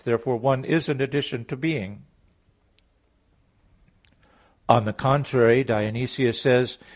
Therefore "one" is an addition to "being." On the contrary, Dionysius says (Div.